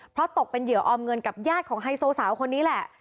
เพราะตกเป็นเหยื่อออมเงินกับญาติของไฮโซสาวคนนี้แหละ